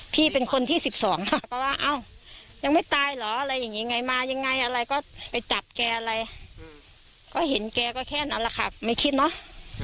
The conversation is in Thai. พี่เป็นคนที่๑๒ค่ะก็ว่าเอ้ายังไม่ตายเหรออะไรอย่างนี้ไงมายังไงอะไรก็ไปจับแกอะไรก็เห็นแกก็แค่นั้นแหละค่ะไม่คิดเนาะ